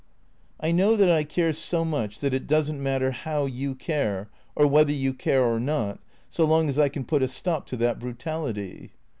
" I know that I care so much that it does n't matter how you care, or whether you care or not, so long as I can put a stop to that brutality."